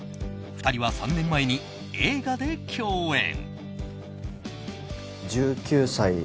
２人は３年前に映画で共演。